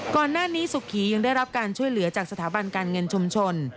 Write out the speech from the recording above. ก่อนหน้านี้สุขียังได้รับการช่วยเหลือจากสถาบันการเงินชุมชน